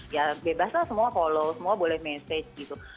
ya bebas lah semua follow semua boleh message gitu